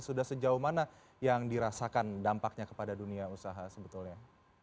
sudah sejauh mana yang dirasakan dampaknya kepada dunia usaha sebetulnya